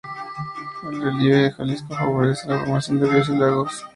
El relieve de Jalisco favorece la formación de ríos y lagos.